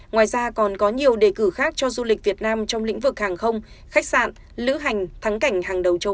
ngoài ra còn có nhiều đề cử khác cho du lịch việt nam trong lĩnh vực hàng không khách sạn lữ hành thắng cảnh hàng đầu châu